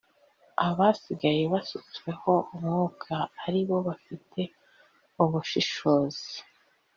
abasigaye basutsweho umwuka, ari bo ‘bafite ubushishozi